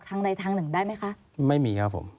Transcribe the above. ทางใดทางหนึ่งได้ไหมคะไม่มีครับผม